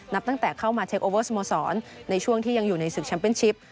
นับตั้งแต่เข้ามาเทคโอเวอร์สโมสรในช่วงที่ยังอยู่ในศึกแชมเป็นชิป